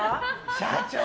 社長。